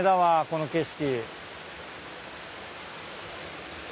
この景色。